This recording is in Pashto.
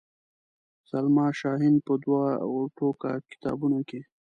سلما شاهین په دوو ټوکه کتابونو کې.